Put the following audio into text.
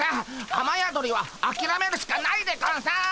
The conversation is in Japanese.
あまやどりはあきらめるしかないでゴンス！